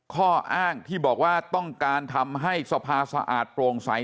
ข้ออ้างที่บอกว่าต้องการทำให้สภาสะอาดโปร่งใส